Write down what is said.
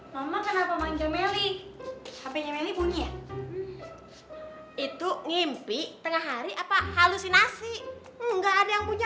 mama kenapa manja meli hpnya ini bunyi itu mimpi tengah hari apa halusinasi nggak ada yang punya